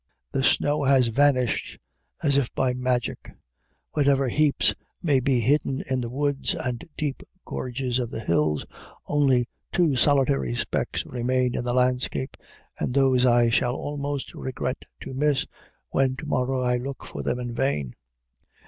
The snow has vanished as if by magic; whatever heaps may be hidden in the woods and deep gorges of the hills, only two solitary specks remain in the landscape, and those I shall almost regret to miss when to morrow I look for them in vain.